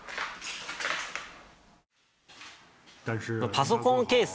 パソコンケース。